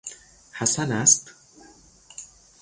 حسن است؟